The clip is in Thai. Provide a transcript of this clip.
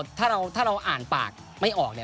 อันนี้คือถ้าเราอ่านปากไม่ออกเนี่ย